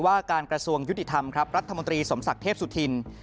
ว่าการกระทรวงยุติธรรมครับรัฐมนตรีสมศักดิ์เทพสุธิน